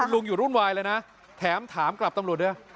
ลุงอยู่รุ่นวายเลยนะแถมถามกลับตำรวจด้วย